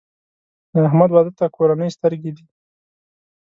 د احمد واده ته کورنۍ سترګې دي.